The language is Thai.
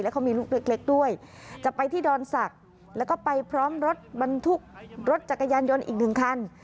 เขามีลูกเล็กด้วยจะไปที่ดอนศักดิ์แล้วก็ไปพร้อมรถบรรทุกรถจักรยานยนต์อีกหนึ่งคัน